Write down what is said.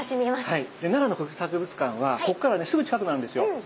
で奈良の国立博物館はここからねすぐ近くなんですよ。